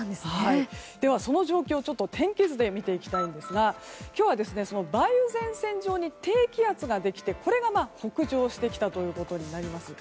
では、その状況を天気図で見ていきたいんですが今日は梅雨前線上に低気圧ができてこれが北上してきたということになります。